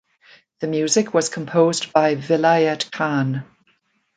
The music was composed by Vilayat Khan.